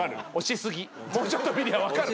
もうちょっと見りゃ分かる。